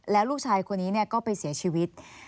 แล้วลูกชายคนนี้ก็ไปเสียชีวิต